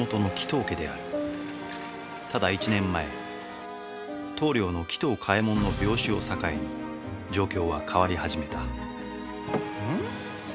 ただ１年前頭領の鬼頭嘉右衛門の病死を境に状況は変わり始めたん？